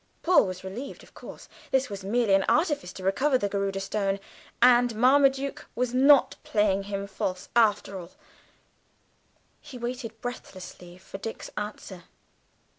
Paul was relieved; of course this was merely an artifice to recover the Garudâ Stone, and Marmaduke was not playing him false after all he waited breathlessly for Dick's answer.